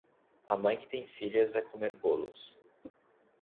A mãe que tem filhas vai comer bolos.